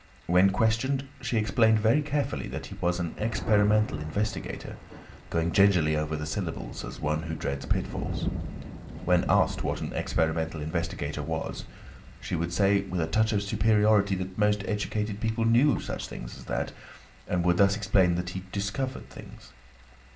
When questioned, she explained very carefully that he was an "experimental investigator," going gingerly over the syllables as one who dreads pitfalls. When asked what an experimental investigator was, she would say with a touch of superiority that most educated people knew such things as that, and would thus explain that he "discovered things."